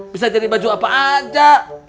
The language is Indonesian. bisa jadi baju apa aja